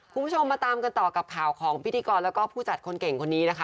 คุณผู้ชมมาตามกันต่อกับข่าวของพิธีกรแล้วก็ผู้จัดคนเก่งคนนี้นะคะ